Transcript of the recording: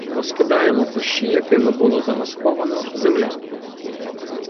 Розкидаємо кущі, якими було замасковано землянку.